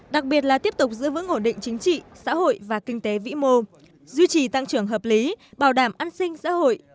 đặc biệt là tiếp tục giữ vững ổn định chính trị xã hội và kinh tế vĩ mô duy trì tăng trưởng hợp lý bảo đảm an sinh xã hội